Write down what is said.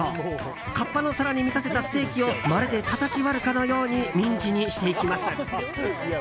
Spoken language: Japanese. カッパの皿に見立てたステーキをまるでたたき割るかのようにミンチにしていきます。